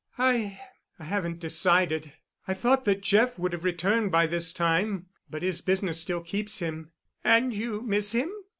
"I—I haven't decided. I thought that Jeff would have returned by this time, but his business still keeps him." "And you miss him?